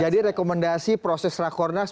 jadi rekomendasi proses rakonas